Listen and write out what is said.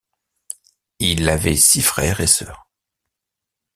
Il avait six frères et sœurs.